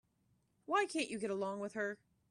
Why can't you get along with her?